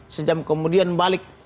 sejam kemudian balik